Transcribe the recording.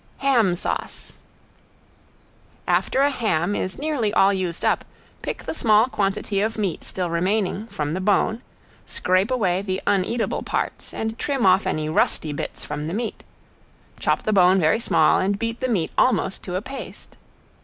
~HAM SAUCE~ After a ham is nearly all used up pick the small quantity of meat still remaining, from the bone, scrape away the uneatable parts and trim off any rusty bits from the meat, chop the bone very small and beat the meat almost to a paste.